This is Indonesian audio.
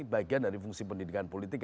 bagian dari fungsi pendidikan politik